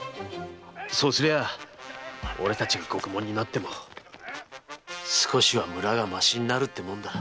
そうすりゃ俺たちが獄門になっても少しは村がましになるってもんだ。